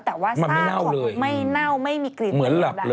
แต่ว่าสร้างของไม่เน่าไม่มีกลิ่นเหมือนหลับดังมันไม่เน่าเลยมันเหมือนหลับเลย